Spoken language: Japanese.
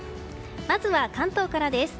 まずは関東からです。